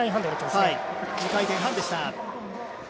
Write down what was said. ２回転半でした。